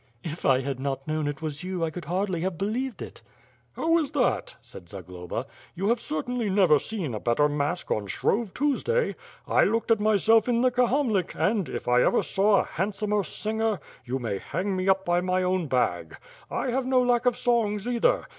"If I had not known it was you, I could hardly have be lieved it." "How is that?" said Zagloba, "you have certainly never seen a better mask on 8hrove Tuesday. I looked at myself in the Kahamlik and, if I ever saw a handsomer singer, you may hang me up by my own bag. I have no lack of songs, either.